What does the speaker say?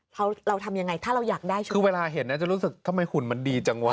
เราเราทำยังไงถ้าเราอยากได้ใช่ไหมคือเวลาเห็นน่าจะรู้สึกทำไมหุ่นมันดีจังวะ